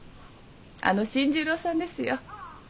あの新十郎さんですよ。